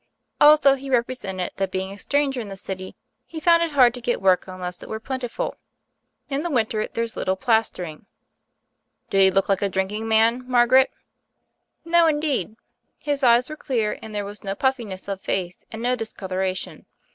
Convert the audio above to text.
Also, he represented that being a stranger in the city he found it hard to get work unless it were plentiful. In the winter, there's little plas tering." ^'Did he look like a drinking man, Mar< garet?" "No, indeed. His eyes were clear and there was no puffiness of face and no discoloration.